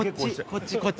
こっちこっち。